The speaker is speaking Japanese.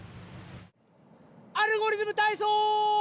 「アルゴリズムたいそう」！